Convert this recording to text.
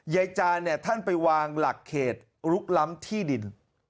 จานเนี่ยท่านไปวางหลักเขตลุกล้ำที่ดิน